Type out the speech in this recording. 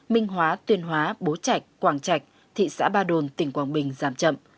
minh hóa tuyên hóa bố chạch quảng chạch thị xã ba đồn tỉnh quảng bình giảm chậm